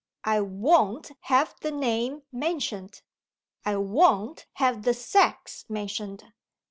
I won't have the name mentioned. I won't have the sex mentioned.